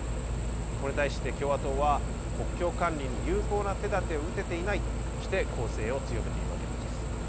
これに対して、共和党は国境管理に有効な手だてを打てていないとして攻勢を強めているわけなんです。